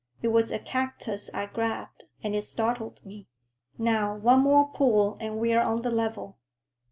It was a cactus I grabbed, and it startled me." "Now, one more pull and we're on the level."